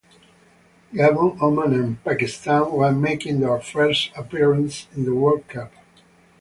Gabon, Oman and Pakistan were making their first appearance in the World Cup.